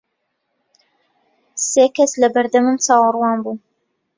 سێ کەس لە بەردەمم چاوەڕوان بوون.